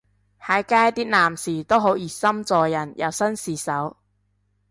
喺街啲男士都好熱心助人又紳士手